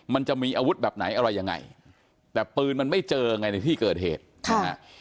มันจะมีอาวุธแบบไหนอะไรยังไงแต่ปืนมันไม่เจอไงในที่เกิดเหตุค่ะ